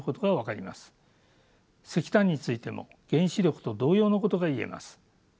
石炭についても原子力と同様のことが言えます。